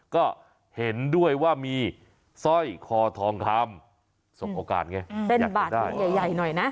ก็เห็นด้วยว่ามีสร้อยคอทองคำสบโอกาสไงเส้นบาทใหญ่หน่อยนะ